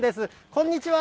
こんにちは。